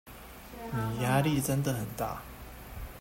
你壓力真的很大